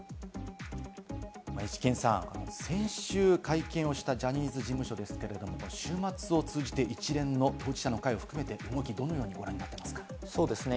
イシケンさん、先週、会見をしたジャニーズ事務所ですけれども、週末を通じて一連の当事者の会を含めて動き、どのようにご覧になりますか？